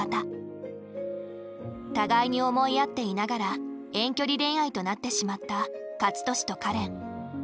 互いに思い合っていながら遠距離恋愛となってしまった勝利とかれん。